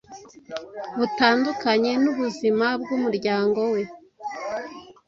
butandukanye n’ubuzima bw’umuryango we.